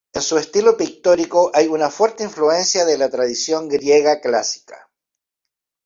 En su estilo pictórico hay una fuerte influencia de la tradición griega clásica.